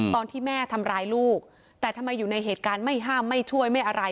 ตอนที่แม่ทำร้ายลูกแต่ทำไมอยู่ในเหตุการณ์ไม่ห้ามไม่ช่วยไม่อะไร